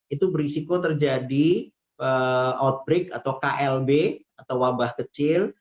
itu berisiko terjadi outbreak atau klb atau wabah kecil